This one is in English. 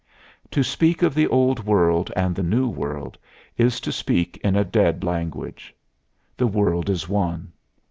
To speak of the Old World and the New World is to speak in a dead language. The world is one.